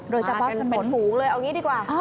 โดยเฉพาะถนนหมูเลยเอางี้ดีกว่า